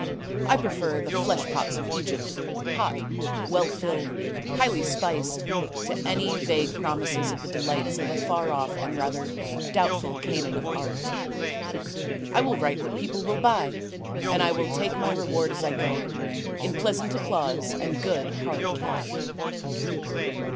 I prefer the flesh pots of Egypt, hot, well filled, highly spiced, to any vague promises of the delights of a far off and rather doubtful Canaan of art. I will write what people will buy; and I will take my reward as I go, in pleasant applause and good hard cash.